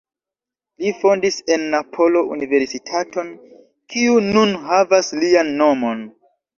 Li fondis en Napolo universitaton kiu nun havas lian nomon.